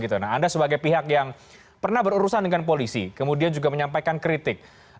anda sebagai pihak yang pernah berurusan dengan polisi kemudian juga menyampaikan kritik